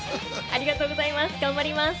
ありがとうございます。